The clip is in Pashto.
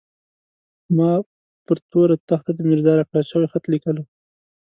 ما به پر توره تخته د ميرزا راکړل شوی خط ليکلو.